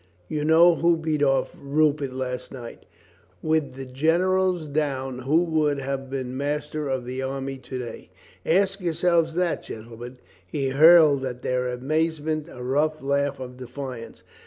You know who beat off Rupert last night. With the generals down who would have been mas ter of the army to day? Ask yourselves that, gen tlemen!" He hurled at their amazement a rough laugh of defiance.